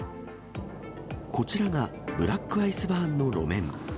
こちらがブラックアイスバーンの路面。